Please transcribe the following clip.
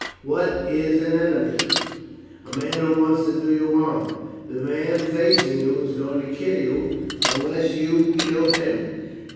"What is an enemy? A man who wants to do you harm. This man facing you is going to kill you, unless you kill him.